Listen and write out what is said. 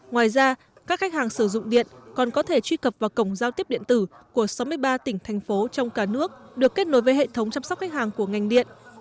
ngoài ra các khách hàng sử dụng điện còn có thể truy cập vào cổng giao tiếp điện tử của sáu mươi ba tỉnh thành phố trong cả nước được kết nối với hệ thống chăm sóc khách hàng của ngành điện